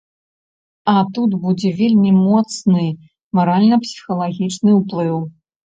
А тут будзе вельмі моцны маральна-псіхалагічны ўплыў.